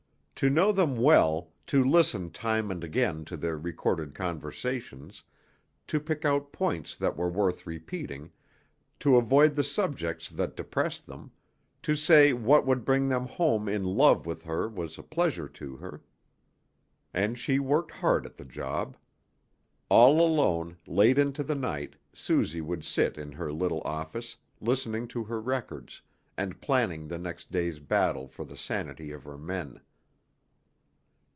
To know them well, to listen time and again to their recorded conversations, to pick out points that were worth repeating, to avoid the subjects that depressed them, to say what would bring them home in love with her was a pleasure to her, and she worked hard at the job. All alone, late into the night, Suzy would sit in her little office, listening to her records, and planning the next day's battle for the sanity of her men.